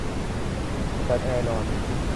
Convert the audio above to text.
เปิดแอร์นอน